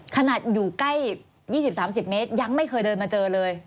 ขนาดอยู่ใกล้๒๐๓๐เมตรยังไม่เคยเดินมาเจอเลย